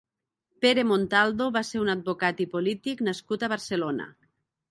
Pere Montaldo va ser un advocat i polític nascut a Barcelona.